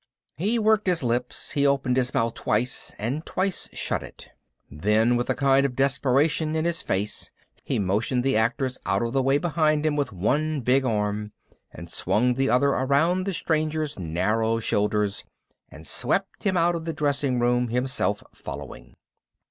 He worked his lips. He opened his mouth twice and twice shut it. Then, with a kind of desperation in his face, he motioned the actors out of the way behind him with one big arm and swung the other around the stranger's narrow shoulders and swept him out of the dressing room, himself following.